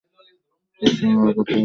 সবসময় ওর কথাই হবে, তাই না?